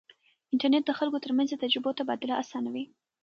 انټرنیټ د خلکو ترمنځ د تجربو تبادله اسانوي.